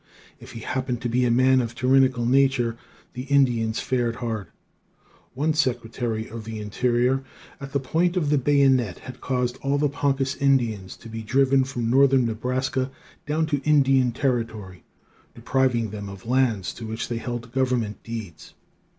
If he happened to be a man of a tyrannical nature, the Indians fared hard. One Secretary of the Interior at the point of the bayonet had caused all the Poncas Indians to be driven from northern Nebraska down to Indian Territory, depriving them of lands to which they held government deeds.